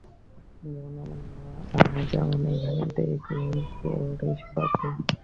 যেমন আমার মা– আর যেমন এখানে দেখলেন পরেশবাবু।